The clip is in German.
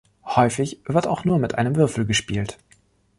Häufig wird auch mit nur einem Würfel gespielt.